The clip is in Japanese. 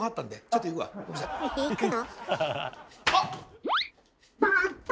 あっ！